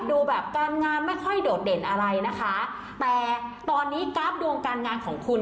ดูแบบการงานไม่ค่อยโดดเด่นอะไรนะคะแต่ตอนนี้กราฟดวงการงานของคุณ